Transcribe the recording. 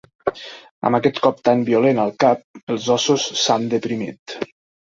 Amb aquest cop tan violent al cap els ossos s'han deprimit.